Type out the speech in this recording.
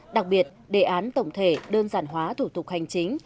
đặc biệt đề án tổng thể đơn giản hóa thủ tục hành chính